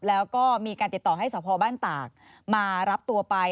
แล้วก็มีการติดต่อให้สพบ้านตากมารับตัวไป